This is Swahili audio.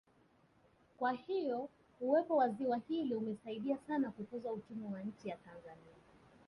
Kwa hiyo uwepo wa ziwa hili umesadia sana kukuza uchumi wa nchi ya Tanzania